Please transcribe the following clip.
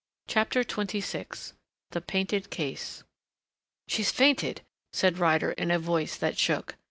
CHAPTER XXVI THE PAINTED CASE "She's fainted," said Ryder in a voice that shook.